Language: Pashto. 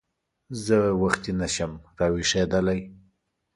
زه وختي نه شم راویښېدلی !